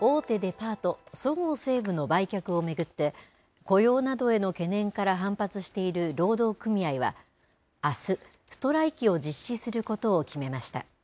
大手デパート、そごう・西武の売却を巡って、雇用などへの懸念から反発している労働組合はあす、ストライキを実施することを決めました。